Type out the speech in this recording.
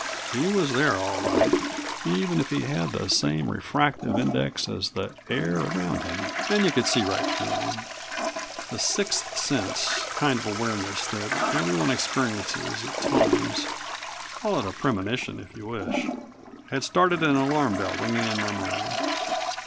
He was there, all right, even if he had the same refractive index as the air around him and you could see right through him. The sixth sense kind of awareness that everyone experiences at times call it a premonition, if you wish had started an alarm bell ringing in my mind.